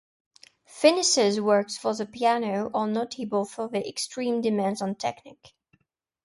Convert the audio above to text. Finnissy's works for the piano are notable for their extreme demands on technique.